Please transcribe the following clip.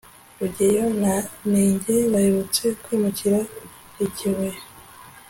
rugeyo na nenge baherutse kwimukira ikibuye